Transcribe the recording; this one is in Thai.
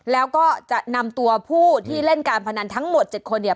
แล้วก็จะนำตัวผู้ที่เล่นการพนันทั้งหมด๗คนเนี่ย